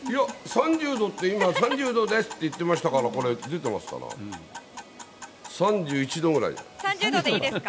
３０度って、今、３０度ですって言ってましたから、これ、出てますから、３１３０度でいいですか？